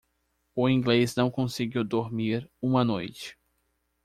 O inglês não conseguiu dormir uma noite.